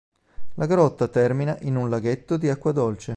La grotta termina in un laghetto di acqua dolce.